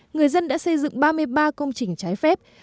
người dân đã xây dựng ba mươi ba công trình trái phép